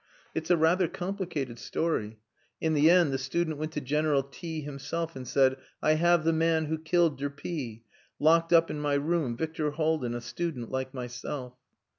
It's a rather complicated story. In the end the student went to General T himself, and said, 'I have the man who killed de P locked up in my room, Victor Haldin a student like myself.